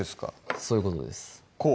そういうことですこう？